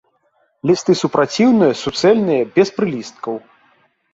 Лісты супраціўныя, суцэльныя, без прылісткаў.